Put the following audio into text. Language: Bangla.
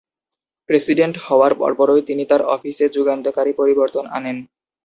প্রেসিডেন্ট হওয়ার পরপরই তিনি তার অফিসে যুগান্তকারী পরিবর্তন আনেন।